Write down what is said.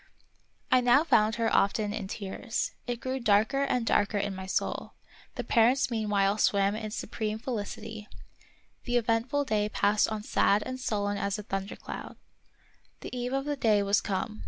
I now found her often in tears. It grew darker and darker in my soul ; the parents meanwhile swam in supreme felicity ; the eventful day passed on sad and sullen as a thundercloud. The eve of the day was come.